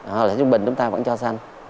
hoặc là trung bình chúng ta vẫn cho sinh